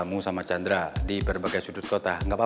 lu ajaknya sono eh